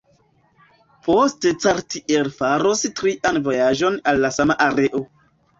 Poste Cartier faros trian vojaĝon al la sama areo.